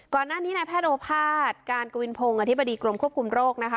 ก่อนหน้านี้นายแพทย์โอภาษย์การกวินพงศ์อธิบดีกรมควบคุมโรคนะคะ